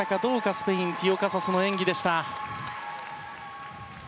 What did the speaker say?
スペイン、ティオカサスの演技でした。